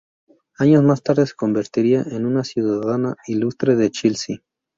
Años más tarde se convertiría en una ciudadana ilustre de Chelsea.